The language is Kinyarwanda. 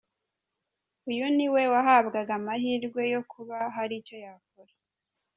uyu niwe wahabwaga amahirwe yo kuba hari icyo yakora